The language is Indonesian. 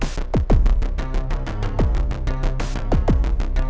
suara lee man